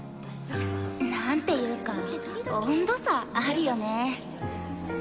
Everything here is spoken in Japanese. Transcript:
なんていうか温度差あるよね。